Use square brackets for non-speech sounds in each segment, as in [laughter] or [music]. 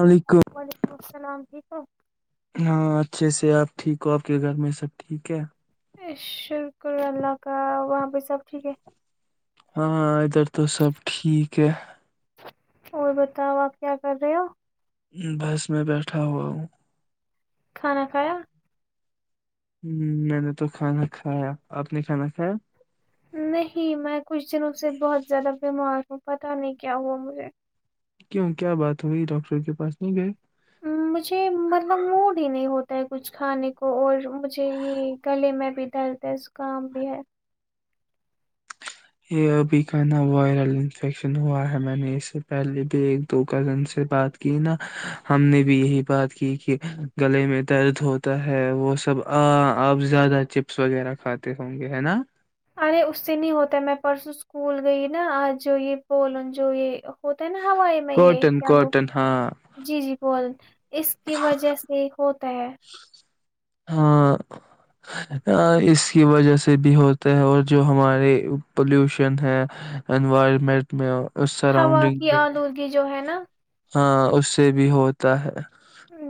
وعلیکم ہاں اچھے سے آپ ٹھیک ہو آپ کے گھر میں سب ٹھیک ہے شکر اللہ کا وہاں پہ سب ٹھیک ہے ہاں ادھر تو سب ٹھیک ہے اور بتاؤ آپ کیا کر رہے ہو بس میں بیٹھا ہوا ہوں کھانا کھایا ہ میں نے تو کھانا کھایا آپ نے کھانا کھایا نہیں میں کچھ دنوں سے بہت زیادہ بیمار ہوں پتاہ نہیں کیا ہوا مجھے کیوں کیا بات ہوئی ڈاکٹر کے پاس نہیں گئے مجھے مطلب موڈ ہی نہیں ہوتا ہے کچھ کھانے کو اور مجھے یہ گلے میں بھی درد ہے اسکام بھی ہے یہ ابھی کا نا وائرل انفیکشن ہوا ہے میں نے اس سے پہلے بھی ایک دو کزن سے بات کی نا ہم نے بھی یہی بات کی کہ گلے میں درد ہوتا ہے وہ سب آ آپ زیادہ چپس وغیرہ کھاتے ہوں گے ہے نا ارے اس سے نہیں ہوتا میں پرسوں اسکول گئی نا آج جو یہ بولوں جو یہ ہوتا ہے نا ہوائی میں یہ کاٹن کیا وہ کاٹن ہاں جی جی بول اس کی وجہ سے ہو ت ہاں اس کی وجہ سے بھی ہوتا ہے اور جو ہمارے پولوشن ہے انوائرمنٹ میں اس ہوا سراؤنڈنگ کی میں آلودگی جو ہے نا ہاں اس سے بھی ہوتا ہے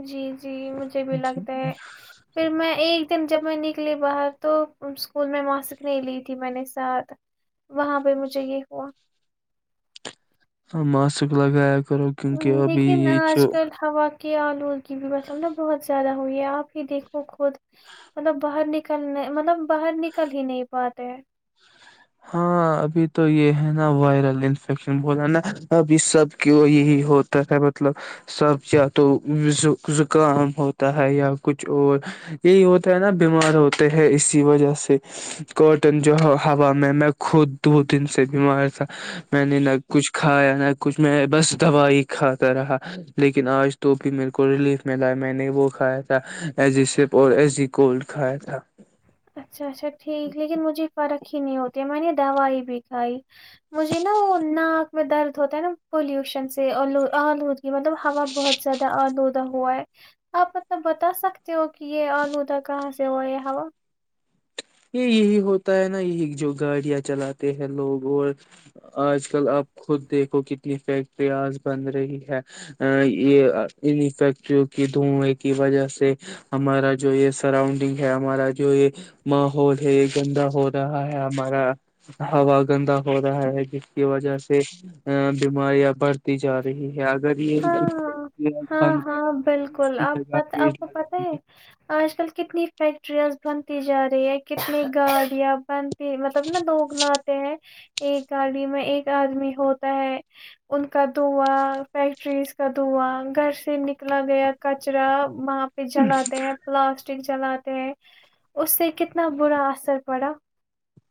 جی جی مجھے بھی جی لگتا ہے پھر میں ایک ل دن جب میں نکلی باہر تو اسکول میں ماسک نہیں لی تھی میں نے ساتھ وہاں پہ مجھے یہ ہوا ہ ماسک لگایا کرو کیونکہ اب یہ جو کہ آلو کی بھی مطلب نا بہت زیادہ ہوئی ہے آپ ہی دیکھو بہ مطلب باہر نکل کرنے مطلب باہر نکل ہی نہیں پاتے ت ہاں ابھی تو یہ ہے نا وائرل انفیکشن ب رہ ہے نا ابھی سب کیوں یہی ہوتا ہے مطلب سب یا تو زکام ہوتا ہے یا کچھ اور یہی ہوتا ہے نا بیمار ہوتے ہیں اسی وجہ سے کاٹن جو ہوا میں میں خود دو دن سے بیمار تھا میں نے نہ کچھ کھایا نہ کچھ میں بس دوا ہی کھاتا رہا لیکن آج تو بھی میرے کو ریلیف ملا میں نے وہ کھایا تھا ایزی سپ اور ایزی کولڈ کھایا تھا اچھا اچھا ٹھیک لیکن مجھے فرق ہی نہیں ہوتی ہے میں نے دوائی بھی کھائی مجھے نا وہ ناک میں درد ہوتا ہے نا پولوشن سے آلودی مطلب ہوا بہت زیادہ آلودہ ہوا ہے آپ مطلب بتا سکتے ہو کہ یہ آلودہ کہاں سے ہوا ہے یہ ہوا یہ یہی ہوتا ہے نا یہی جو گاڑیاں چلاتے ہیں لوگ اور آج کل آپ خود دیکھو کتنی فیکٹریاز بن رہی ہے یہ انیں فیکٹریوں کی دھوئیں کی وجہ سے ہمارا جو یہ سراؤڈنگ ہے ہمارا جو یہ ماحول ہے گندا ہو رہا ہے ہمارا ہوا گندا ہو رہا ہے جس کی وجہ سے بیماریاں بڑھتی جا رہی ہے اگر یہ ہاں ہاں ہاں بند ہاں کریں گے اس بالکل کی آپ پ جگہ پیڑ آپ کو لگائیں پت گے ہے آج کل کتنی فیکٹریاںز بنتی جا رہی ہے کتنی گاڑیاں بنتی مطلب نا لوگ لاتے ہیں ایک گاڑی میں ایک آدمی ہوتا ہے ان کا دوا فیکٹریز کا دھواں گھر سے نکلا گیا کچرا وہاں پہ جلاتے ہیں پلاسٹک جلاتے اس سے کتنا برا اثر پڑا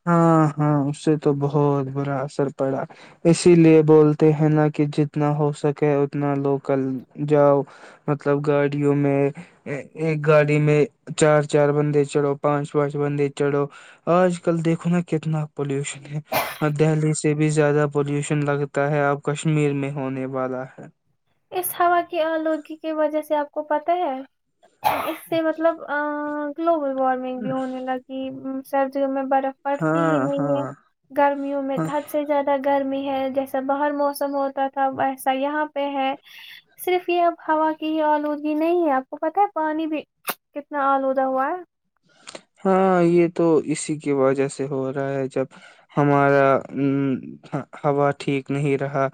ہاں ہاں اس سے تو بہت برا اثر پڑا اسی لیے بولتے ہیں نا کہ جتنا ہو سکے اتنا لوکل جاؤ مطلب گاڑیوں میں ایک گاڑی میں چار چار بندے چڑھو پانچ پانچ بندے چڑھو آج آج کل دیکھو نا کتنا پولوشن ہے ہ دہلی سے بھی زیادہ پولوشن لگتا ہے اب کشمیر میں ہونے والا ہے اس ہوا کی آلودگی کی وجہ سے آپ کو پت ہے اس سے مطلب گلوبل وارمنگ بھی ہونے لگی سر جی میں پڑتی ہی ہاں نہیں ہے ہاں گرمیوں میں ہاں کد سے زیادہ گرمی ہے جیسا باہر موسم ہوتا تھا ویسا یہاں پہ ہے صرف یہ اب ہوا کی آلودگی نہیں ہے آپ کو پت ہے پانی بھی کتنا آلودہ ہوا ہے ہاں یہ تو اسی کی وجہ سے ہو رہا ہے جب ہمارا ا ہوا ٹھیک نہیں رہا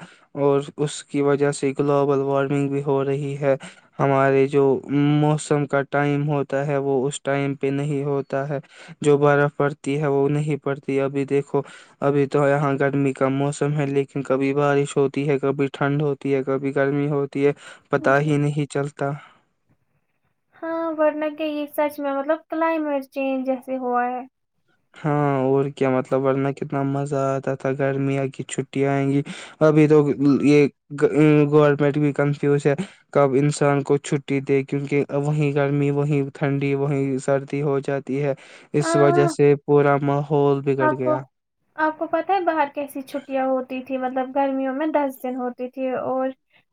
اور اس کی وجہ سے گلوبل وارمنگ بھی ہو رہی ہے ہمارے جو موسم کا ٹائم ہوتا ہے وہ اس ٹائم نہیں ہوتا ہے جو برف پڑتی ہے وہ نہیں پڑتی ابھی دیکھو ابھی تو یہاں گرمی کا موسم ہے لیکن کبھی بارش ہوتی ہے کبھی ٹھنڈ ہوتی ہے کبھی گرمی ہوتی یہ پتا جی ہی نہیں چلتا کتا ہاں ورنہ کے یہ سچ میں مطلب کلائمیٹ چینج جیسے ہوا ہے ہاں اور کیا مطلب ورنہ کتنا مزہ آتا تھا گرمیاں کی چھٹیاں آئیں گی ابھی تو یہ گورنمنٹ بھی کنفیوز ہے کب انسان کو چھٹی دے کیونکہ وہیں گرمی وہیں ٹھنڈی وہیں سردی ہو جاتی ہے اس وجہ ہاں سے تامہ آپ کو آپ کو پت ہے باہر کیسی چھٹیاں ہوتی تھھی مطلب گرمیوں میں دس دن ہوتی تھی اور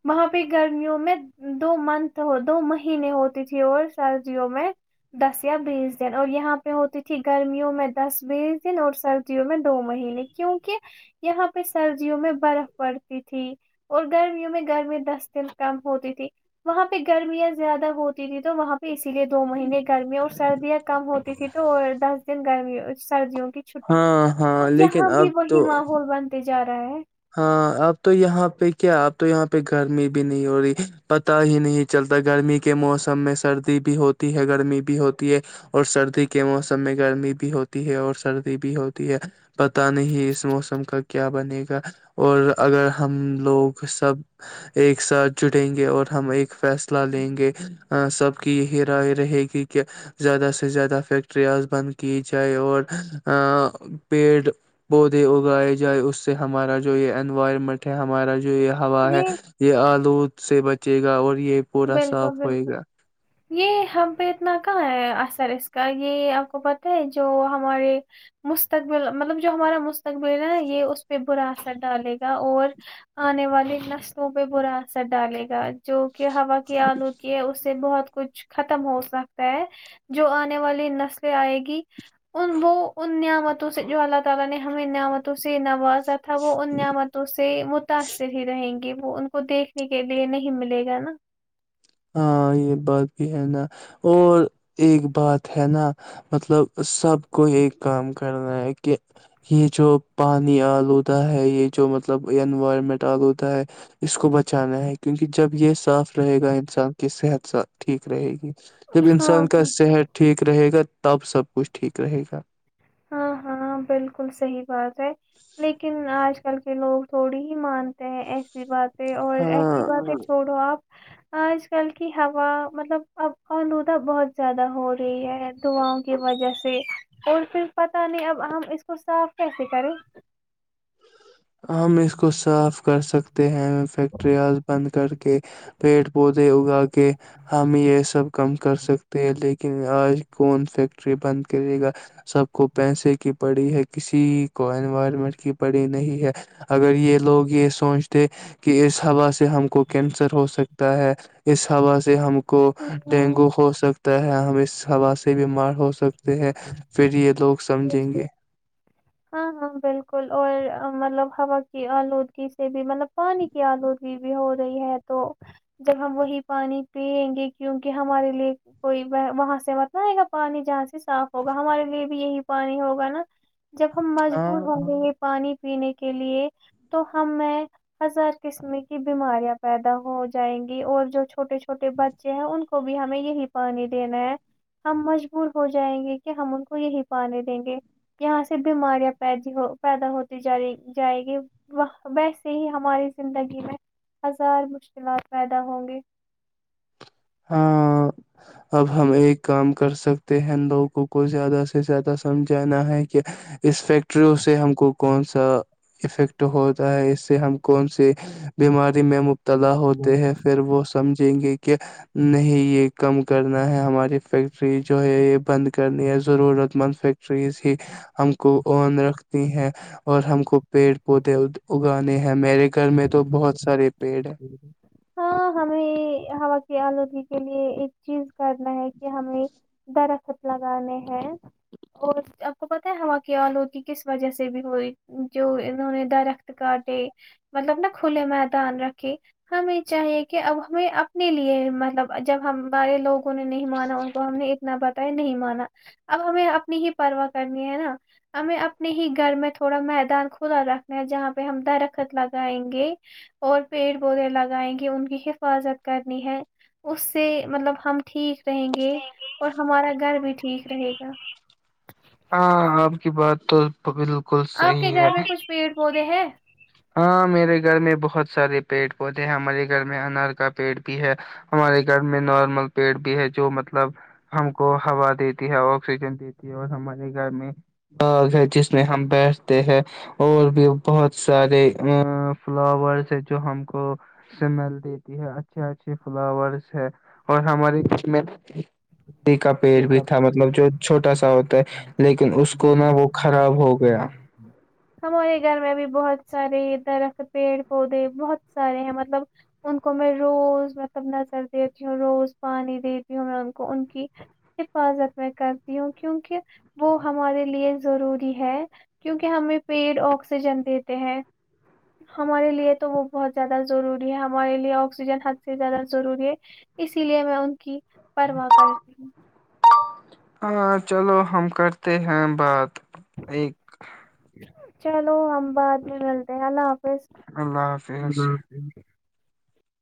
وہاں پہ گرمیوں میں دو منتھ دو مہینے ہوتی تھی اور سردیوں میں دس یا بیس دن اور یہاں پہ ہوتی تھی گرمیوں میں دس بیس دن اور سردیوں میں دو مہینے کیوںکہ یہاں پہ سردیوں میں برف پڑتی تھی اور گرمیوں میں گرمی دس دن کم ہوتی تھی وہاں پہ گرمیاں زیادہ ہوتی تھی تو وہاں پہ ے دو مہینے گرمییا اور سردیاں کم ہوتی تیں تو تو دس دن گرمی سردیوں چھٹی ہاں اب ہاں لیکن یہاں بھی اب وہی تو ماحول بنتے جاتے گاؤں ہاں اب تو یہاں پہ کیا اب تو یہاں پہ گرمی بھی نہیں ہو رہی پتا ہی نہیں چلتا گرمی کے موسم میں سردی بھی ہوتی ہے گرمی بھی ہوتی ہے اور سردی کے موسم میں گرمی بھی ہوتی ہے اور سردی بھی ہوتی ہے پتہ نہیں اس موسم کا کیا بنے گا اور اگر ہم لوگ سب ایک ساتھ جڑیں گے اور ہم ایک فیصلہ لیں گے سب کی یہی رائے رہے گی کہ زیادہ سے زیادہ فیکٹریاز بند کی جائے اور پیڑ پودے اگائے جائے اس سے ہمارا جو یہ انوائرمنٹ ہے ہمارا جو یہ ہوا ہے یہ آلود سے بچ جے گا اور یہ پورا بالکل صاف ہوئے بالکل گا یہ ہم پہ اتنا کہاں ہے اثر اس کا یہ آپ کو پتہ ہے جو ہمارے مستقبل مطلب جو ہمارا مستقبل ہے یہ اس پہ برا اثر ڈالے گا اور آنے والے نسلوں پہ برا اثر ڈالے گا جو ہوا کی آلو کی ہے اس سے بہت کچھ ختم ہو سکتا ہے جو آنے والی نسلیں آئے گی ان وہ ان نعمتوں سے جو اللہ تعالی نے ہمیں گن نعمتوں سے نواز تھا وہ ان نعمتوں سے متاثر ہی رہیں گی وہ ان کو دیکھنے کے لیے نہیں ملے گا نا [inaudible] ہاں یہ بات بھی ہے نا اور ایک بات ہے نا مطلب سب کو ایک کام کرنا ہے کہ یہ جو پانی آلودہ ہے یہ جو مطلب انوائرمنٹ آلودہ ہے اس کو بچانا ہے کیونکہ جب یہ س صاف رہے گا ان کی صحت س ٹھیک رہے گی جب انسان کا ہاں صحت ٹھیک ٹھیک رہے گا تب سب کچھ ٹھیک رہے گا ہاں ہاں بالکل صحیح بات ہے لیکن آج ک چل کے لوگ تھوڑی ہی مانتے ہیں ایسے سی باتیں اور ہاں ایسی باتیں چھوڑو آپ آج کل کی ہوا مطلب اب آلودہ بہت زیادہ ہو رہی ہے دعاؤں کی وجہ سے اور پھر پت نہیں اب ہم اس کو صاف کیسے کریں ہم اس کو صاف کر سکتے ہیں فیکٹریاںز بند کر کے پیڑ پودے اور تاکہ ہم یہ سب کم کر سکتے ہیں لیکن آج کون فیکٹری بند کرے گا سب کو پیسے کی پڑی ہے کسی کو انوائرمنٹ کی پڑی نہیں ہے اگر یہ لوگ یہ سوچتے کہ اس حا سے سے ہم کو کینسر ہو سک تا ہے اس ہوا سے ہم کو ڈینگو ہاں، ہو سکتا تو ہمیں ہا سے بیمار ہو سکتے ہیں پھر یہ لوگ سمجھیں گے ہاں ہاں بالکل اور مطلب ہوا کی آلودگی سے بھی مطلب پانی کی آلودگی بھی ہو رہی ہے تو جب ہم وہی پانی پیئیں گے کیوںکہ ہمارے لیے کوئی وہاں سے متئے گا پانی جہاں سے صاف ہوگا ہمارے لیے بھی یہی پانی ہوگا نا جب ہم ہاں مجبور ہو گتے ہیں پانی پینے کے لیے تو ہمیں ہزار قسم کی بیماریاں پیدا ہو جائیں گی اور جو چھوٹے چھوٹے بچے ہیں ان کو بھی ہمیں یہی پانی دینا ہے ہم مجبور ہو جائیں گے کہ ہم ان کو یہی پانے دیں گے یہاں سے بیماریاں پی ہو پیدا ہوتی جا جائے گی ویسے ہی ہماری زندگی میں ہزار مشکلات پیدا ہوں گی ہاں اب ہم ایک کام کر سکتے ہیں لوگوں کو زیادہ سے زیادہ سمجھانا ہے کہ اس فیکٹریوں سے ہم کو کون سا افیکٹ ہوتا ہے اس سے ہم کون سے بیماری میں مبتلا ہوتے ہیں پھر وہ سمجھیں گے کہ کہ نہیں یہ کم کرنا ہے ہماری فیکٹری جو ہے یہ بند کرنی ہے ضرورت مند فیکٹریز ہی ہم کو اون رکھتی ہیں اور ہم کو پیڑ پودے اگانے ہیں میرے گھر میں تو بہت سارے پ ہاں ہمیں ہوا کے آلود کے لیے ایک چیز کرنا ہے کہ ہمیں درخت لگانے ہیں اور آپ کو پتہ ہے ہوا کے آلو کی کس وجہ سے بھی ہوئی جو انہوں نے درخت کاٹے مطلب نا کھلے میدان رکھ ہمیں چاہیے کہ اب ہمیں اپنے لیے مطلب جب ہم ہمارے لوگ نہیں مانا ان کو ہم نے اتنا ب نہیں مانا اب ہمیں اپنی ہی پروا کرنی ہے نا ہمیں اپنے ہی گھر میں تھوڑا میدان کلاا رکھنا ہے جہاں پہ ہم درخت لگائیں گے اور پیڑ پودے لگائیں گے ان کی حفاظت کرنی ہے اس سے مطلب ہم ٹھیک رہیں گے اور ہمارا گھر بھی ٹھیک رہے گا ہاں آپ کی بات تو بالکل آپ کے صحیح ہے گھر میں کچھ پیڑ پودے ہیں ہاں میرے گھر میں بہت سارے پیڑ پودے ہیں ہمارے گھر میں انار کا پیڑ بھی ہے ہمارے گھر میں نارمل پیڑ بھی ہے جو مطلب ہم کو ہوا دیتی ہے آکسیجن دیتی ہے اور ہمارے گھر میں باگ ہے جس میں ہم بیٹھتے ہیں اور بھی بہت سارے ا فلاورس ہے جو ہم کو سمل دیتی ہے اچھے اچھے فلاورس ہے اور ہماری میںی کا پیٹ بھی تھا مطلب جو چھوٹا سا ہوتا ہے لیکن اس جی کو نا جی وہ خراب ہو گیا ہمارے گھر میں بھی بہت سارے درخت پیڑ پودے بہت سارے ہیں مطلب ان کو میں روز مطلب نظر دیتی ہوں روز پانی دیتی ہوں میں ان کو ان کی حفاظت میں کرتی ہوں کیونکہ وہ ہمارے لیے ضروری ہے کیونکہ ہمیں پیڈ آکسیجن دیتے ہیں ہمارے لیے تو وہ بہت زیادہ ضروری ہے ہمارے لیے آکسیجن حد سے زیادہ ضروری ہے اس اسی لیے میں ان کی پروا کرتی ہوں ہاں چلو ہم کرتے ہیں بات ایک چلو ابدمی ملد اللہ س اللہ ہ حافظ ہ